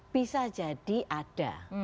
bisa jadi ada